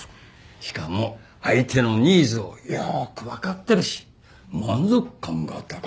しかも相手のニーズをよく分かってるし満足感が高い。